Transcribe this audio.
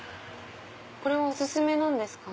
これがお薦めなんですか。